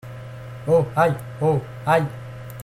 Oh ! aïe ! oh ! aïe !